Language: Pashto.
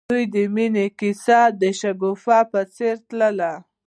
د دوی د مینې کیسه د شګوفه په څېر تلله.